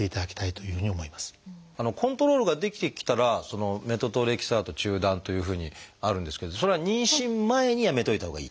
コントロールができてきたらメトトレキサート中断というふうにあるんですけどそれは妊娠前にやめといたほうがいい？